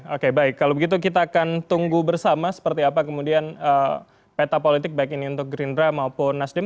oke baik kalau begitu kita akan tunggu bersama seperti apa kemudian peta politik baik ini untuk gerindra maupun nasdem